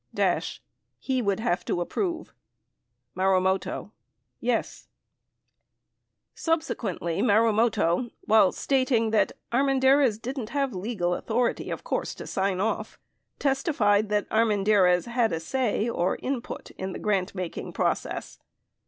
Dash. He would have to approve ? Marumoto. Yes. 72 Subsequently, Marumoto, while stating that Armendariz "didn't have [legal] authority, of course, to sign off," testified that Armendariz "had a say" or "input" in the grantmaking process.